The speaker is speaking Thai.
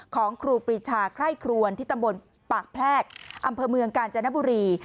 ครูปรีชาไคร่ครวนที่ตำบลปากแพรกอำเภอเมืองกาญจนบุรี